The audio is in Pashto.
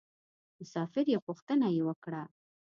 مسافر یې پوښتنه یې وکړه.